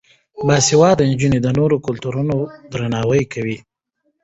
باسواده نجونې د نورو کلتورونو درناوی کوي.